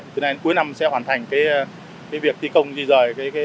từ nay đến cuối năm sẽ hoàn thành cái việc thi công đi rời